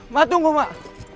mak tunggu mak